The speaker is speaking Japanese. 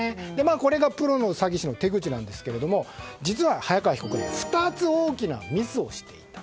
これがプロの詐欺師の手口なんですけれども実は、早川被告は２つ大きなミスをしていた。